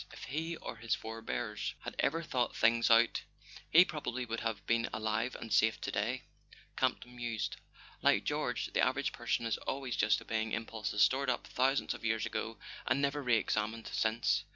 "If he or his forebears had ever thought things out he probably would have been alive and safe to day," Campton mused, "like George. .. The average person is always just obeying impulses stored up thousands, of years ago, and never re examined since."